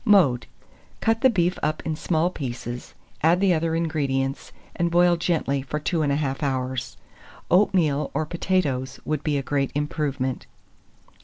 Mode. Cut the beef up in small pieces, add the other ingredients, and boil gently for 21/2 hours. Oatmeal or potatoes would be a great improvement.